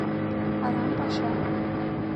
— Арам паша.